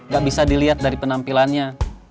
gak bisa dilihat dari penampilannya